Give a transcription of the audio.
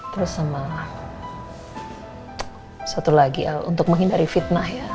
terus sama satu lagi untuk menghindari fitnah ya